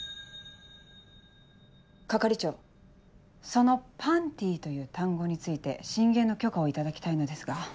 係長その「パンティ」という単語について進言の許可を頂きたいのですが。